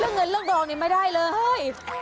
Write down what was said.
เงินเรื่องดองนี่ไม่ได้เลย